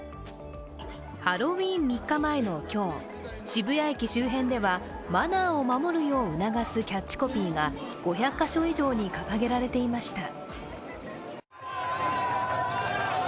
ハロウィーン３日前の今日渋谷駅周辺ではマナーを守るよう促すキャッチコピーが５００か所以上に掲げられていました